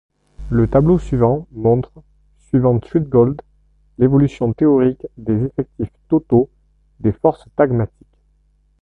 Le tableau suivant montre, suivant Treadgold, l’évolution théorique des effectifs totaux des forces tagmatiques.